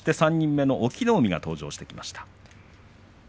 そして３人目の隠岐の海が登場してきました。